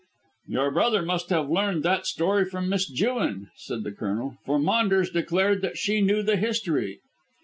"Your brother must have learned that story from Miss Jewin," said the Colonel. "For Maunders declared that she knew the history."